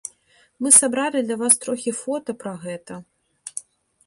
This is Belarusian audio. Мы сабралі для вас трохі фота пра гэта.